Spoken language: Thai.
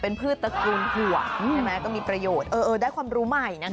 เป็นพืชตระกูลหัวก็มีประโยชน์ได้ความรู้ใหม่นะคะ